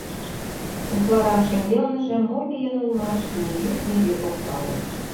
Утларак шеҥгелныже мо лийын улмаш — нигӧ-нигӧ ок пале.